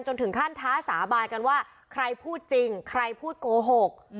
ถึงขั้นท้าสาบานกันว่าใครพูดจริงใครพูดโกหก